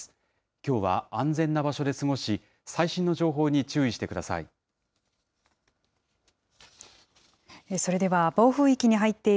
きょうは安全な場所で過ごし、最新の情報に注意してください。